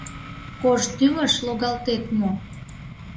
Кож тӱҥыш логалтет мо?